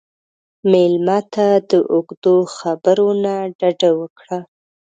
مېلمه ته د اوږدو خبرو نه ډډه وکړه.